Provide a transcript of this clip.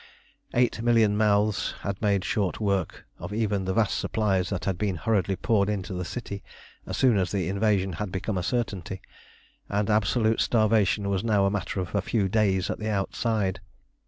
Eight million mouths had made short work of even the vast supplies that had been hurriedly poured into the city as soon as the invasion had become a certainty, and absolute starvation was now a matter of a few days at the outside.